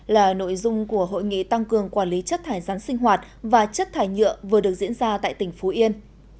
là nội dung của hội nghị tăng cường quản lý chất thải rắn sinh hoạt và chất thải nhựa vừa được diễn ra tại tỉnh phú yên